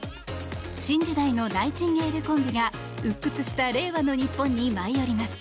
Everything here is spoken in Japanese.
新時代のナイチンゲールコンビが鬱屈した令和の日本に舞い降ります。